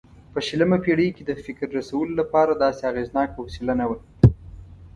په شلمه پېړۍ کې د فکر رسولو لپاره داسې اغېزناکه وسیله نه وه.